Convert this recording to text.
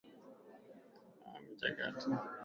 aah mchakato wa usalama wa dunia na ndani